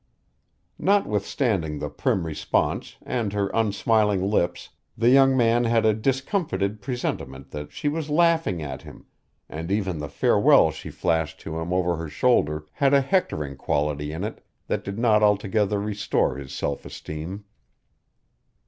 Notwithstanding the prim response and her unsmiling lips, the young man had a discomfited presentiment that she was laughing at him, and even the farewell she flashed to him over her shoulder had a hectoring quality in it that did not altogether restore his self esteem.